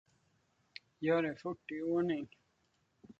Gör dig fort i ordning.